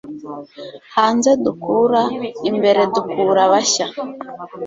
hanze dukura, imbere dukura bashya